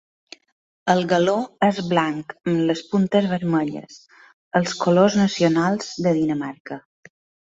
El galó és blanc amb les puntes vermelles, els colors nacionals de Dinamarca.